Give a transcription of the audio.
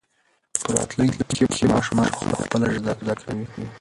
په راتلونکي کې به ماشومان په خپله ژبه زده کړه کوي.